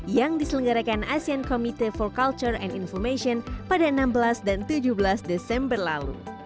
yang diselenggarakan asean committee for culture and information pada enam belas dan tujuh belas desember lalu